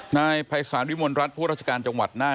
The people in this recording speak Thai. นายภัยศาลวิมลรัฐผู้ราชการจังหวัดน่าน